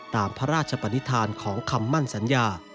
ตามพระราชปนิษฐานของคำมั่นสัญญา